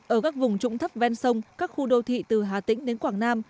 ở các vùng trũng thấp ven sông các khu đô thị từ hà tĩnh đến quảng nam